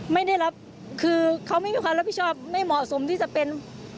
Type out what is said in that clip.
ไม่ได้รับคือเขาไม่มีความรับผิดชอบไม่เหมาะสมที่จะเป็น